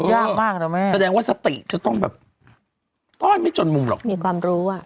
ยากมากนะแม่แสดงว่าสติจะต้องแบบต้อนไม่จนมุมหรอกมีความรู้อ่ะ